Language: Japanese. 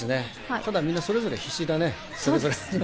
ただ、みんなそれぞれ必死だね。